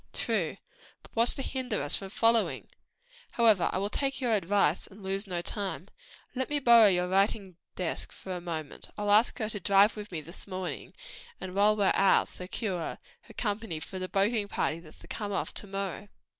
"True, but what's to hinder us from following? However, I will take your advice, and lose no time. Let me borrow your writing desk for a moment. I'll ask her to drive with me this morning, and while we're out secure her company for the boating party that's to come off to morrow."